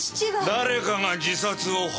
誰かが自殺を幇助した。